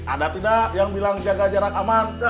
ada tidak yang bilang jaga jarak aman